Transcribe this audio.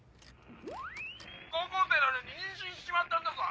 高校生なのに妊娠しちまったんだぞ！